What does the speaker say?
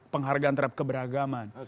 penghargaan terhadap keberagaman